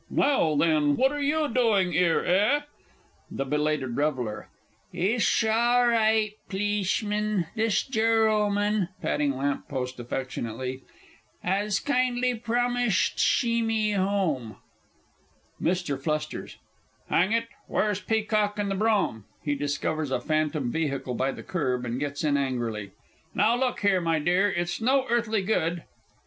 Now then, what are you doing 'ere, eh? THE B. R. Itsh all ri', P'lishman, thish gerrilman (patting lamp post affectionately) has kindly promished shee me home. MR. F. Hang it! Where's Peacock and the brougham? (He discovers a phantom vehicle by the kerb, and gets in angrily.) Now, look here, my dear, it's no earthly good